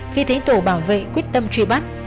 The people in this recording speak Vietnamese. khi thấy tổ bảo vệ quyết tâm truy bắt